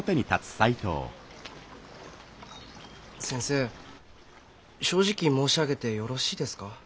先生正直申し上げてよろしいですか？